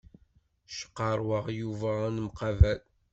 Cqarrweɣ Yuba ad nemqabal.